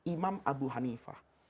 imam abu hanifah